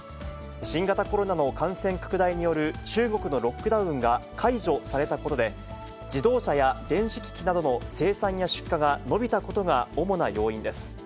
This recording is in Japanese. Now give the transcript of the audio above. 新型コロナの感染拡大による中国のロックダウンが解除されたことで、自動車や電子機器などの生産や出荷が伸びたことが主な要因です。